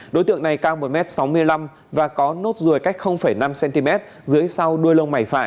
đối tượng này cao một m sáu mươi năm và có nốt ruồi cách năm cm dưới sau đuôi lông mày phải